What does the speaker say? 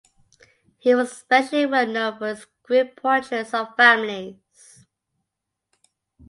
He was especially well known for his group portraits of families.